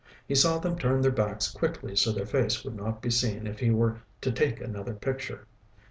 He saw them turn their backs quickly so their faces would not be seen if he were to take another picture.